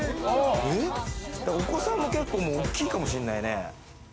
お子さんも結構大きいかもしんないね。